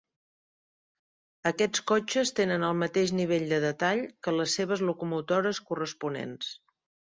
Aquests cotxes tenen el mateix nivell de detall que les seves locomotores corresponents.